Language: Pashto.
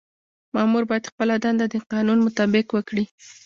مامور باید خپله دنده د قانون مطابق وکړي.